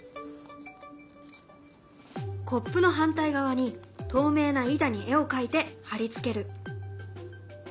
コップの反対側に透明な板に絵を描いて貼り付ける。